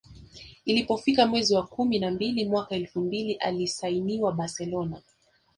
Ilipofika mwezi wa kumi na mbili mwaka elfu mbili alisainiwa Barcelona